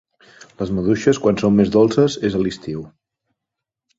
Les maduixes, quan són més dolces és a l'estiu.